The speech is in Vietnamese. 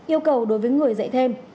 yêu cầu đối với người dạy thêm